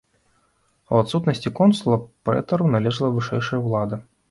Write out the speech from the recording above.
У адсутнасць консула прэтару належала вышэйшая ўлада.